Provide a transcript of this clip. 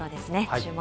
注目。